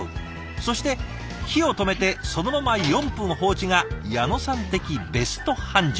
そして火を止めてそのまま４分放置が矢野さん的ベスト半熟。